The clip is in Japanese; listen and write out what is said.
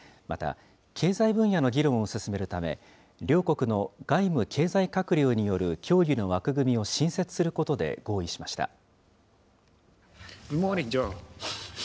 また、経済分野の議論を進めるため、両国の外務・経済閣僚による協議の枠組みを新設することで合意しました。